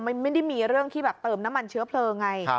มันไม่ได้มีเรื่องที่แบบเติมน้ำมันเชื้อเพลิงไง